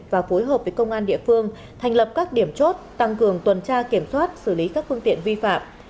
và phối hợp với công an địa phương thành lập các điểm chốt tăng cường tuần tra kiểm soát xử lý các phương tiện vi phạm